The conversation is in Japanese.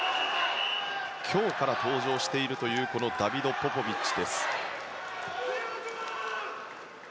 今日から登場しているダビド・ポポビッチ。